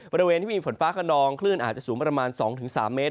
บริเวณที่มีฝนฟ้าขนองคลื่นอาจจะสูงประมาณ๒๓เมตร